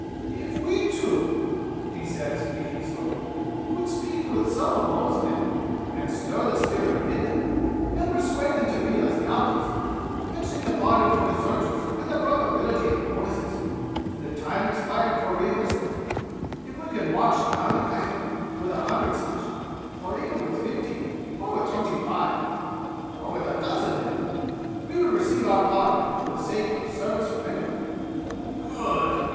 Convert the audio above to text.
"If we two," he said, speaking slowly, "could speak with some of those men and stir the spirit in them and persuade them to feel as thou dost, mentioning the pardon for deserters and the probability of bonuses to the time expired for reenlistment; if we could march down the Khyber with a hundred such, or even with fifty or with twenty five or with a dozen men we would receive our pardon for the sake of service rendered." "Good!"